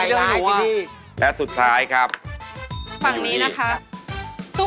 สุโคไทยครับสุโคไทยครับสุโคไทยครับ